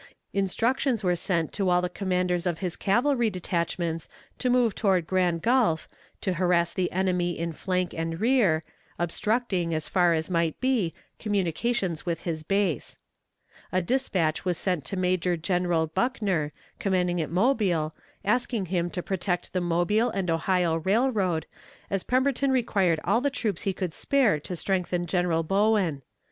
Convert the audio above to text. Instructions were sent to all the commanders of his cavalry detachments to move toward Grand Gulf, to harass the enemy in flank and rear, obstructing, as far as might be, communications with his base. A dispatch was sent to Major General Buckner, commanding at Mobile, asking him to protect the Mobile and Ohio Railroad, as Pemberton required all the troops he could spare to strengthen General Bowen.